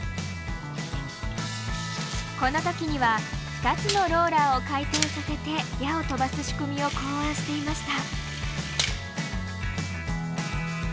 この時には２つのローラーを回転させて矢を飛ばす仕組みを考案していました。